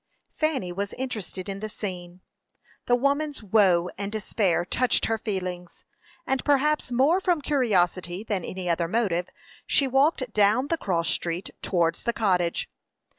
Fanny was interested in the scene. The woman's woe and despair touched her feelings, and perhaps more from curiosity than any other motive, she walked down the cross street towards the cottage.